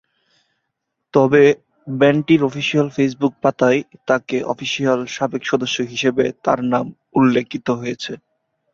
তবে, ব্যান্ডটির official Facebook পাতায়, তাকে অফিসিয়াল সাবেক সদস্য হিসাবে তার নাম উল্লেখিত হয়েছে।